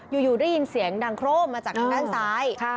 อยู่ได้ยินเสียงดังโครมมาจากทางด้านซ้าย